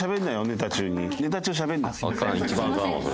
ネタ中にしゃべるなよ。